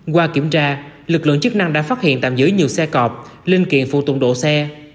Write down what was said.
qua kiểm tra lực lượng chức năng đã phát hiện tạm giữ nhiều xe cọp linh kiện phụ tùng đổ xe